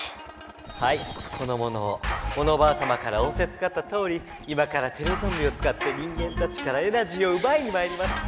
はいこのモノオモノバアさまからおおせつかったとおり今からテレゾンビを使って人間たちからエナジーをうばいにまいります。